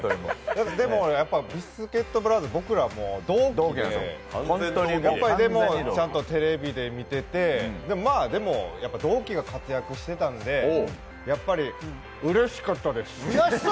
でもビスケットブラザーズ僕らも同期で、ちゃんとテレビで見てて、同期が活躍してたんでやっぱりうれしかったです。